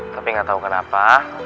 tapi gak tau kenapa